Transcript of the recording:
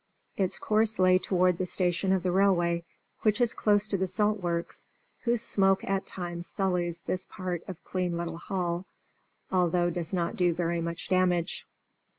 Its course lay toward the station of the railway, which is close to the salt works, whose smoke at times sullies this part of clean little Hall, though it does not do very much damage.